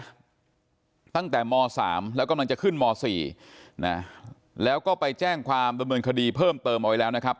ตั้งแต่ม๓แล้วกำลังจะขึ้นม๔นะแล้วก็ไปแจ้งความดำเนินคดีเพิ่มเติมเอาไว้แล้วนะครับ